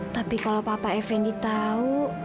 tapi kalau papa efendi tau